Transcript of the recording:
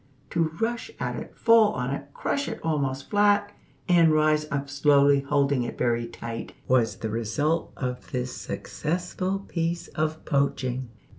To rush at it, fall on it, crush it almost flat, and rise up slowly holding it very tight, was the result of this successful piece of poaching.